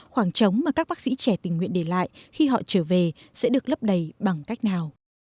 khoảng trống mà các bác sĩ trẻ tình nguyện để lại khi họ trở về sẽ được lấp đầy bằng cách nào